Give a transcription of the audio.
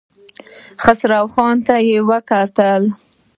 خسرو خان ته يې وکتل.